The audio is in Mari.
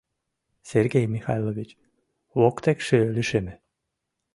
Сергей Михайлович воктекше лишеме.